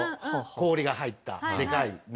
氷が入ったでかい水。